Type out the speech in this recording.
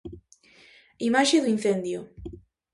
Imaxe do incendio.